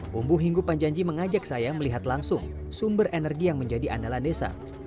bumbu hinggu panjanji mengajak saya melihat langsung sumber energi yang menjadi andalan desa